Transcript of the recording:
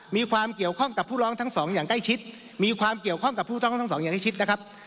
มีความเกี่ยวข้องกับผู้ร้องทั้งสองอย่างใกล้ชิดมีความเกี่ยวข้องกับผู้ต้องทั้งสองอย่างที่ชิดนะครับ